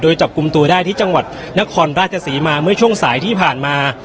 โดยจับกลุ่มตัวได้ที่จังหวัดนครราชศรีมาเมื่อช่วงสายที่ผ่านมา